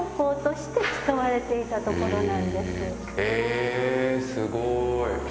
へえすごい。